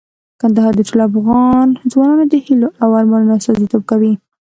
کندهار د ټولو افغان ځوانانو د هیلو او ارمانونو استازیتوب کوي.